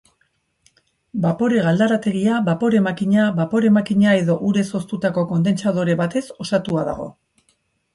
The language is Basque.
Bapore-galdarategia, bapore-makina, bapore-makina edo urez hoztutako kondentsadore batez osatua dago.